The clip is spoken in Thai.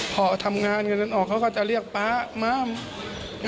พอทำงานเงินออกเขาก็จะเรียกป๊ามา